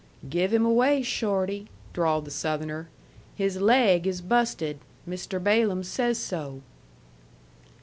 "Give him away, Shorty," drawled the Southerner. "His laig is busted. Mr. Balaam says so."